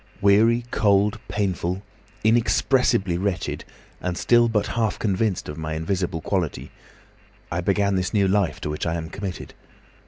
—weary, cold, painful, inexpressibly wretched, and still but half convinced of my invisible quality, I began this new life to which I am committed.